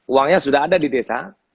uangnya sudah ada di desa